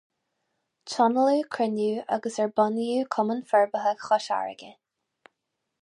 Tionóladh cruinniú ag ar bunaíodh Cumann Forbartha Chois Fharraige.